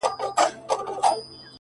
o ځوان له ډيري ژړا وروسته څخه ريږدي ـ